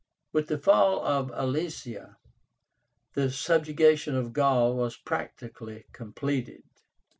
With the fall of Alesia, the subjugation of Gaul was practically completed.